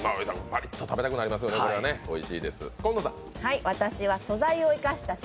パリッと食べたくなりますよね、おいしいです。